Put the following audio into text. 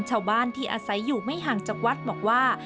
ชาวบ้านที่อาศัยอยู่ไม่ห่างจากวัดบอกว่า